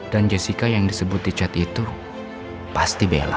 dan jessica yang disebut di chat itu pasti bella